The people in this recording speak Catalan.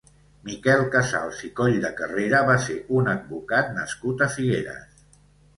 Miquel Casals i Colldecarrera va ser un advocat nascut a Figueres.